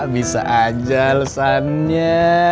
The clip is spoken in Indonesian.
bisa aja alesannya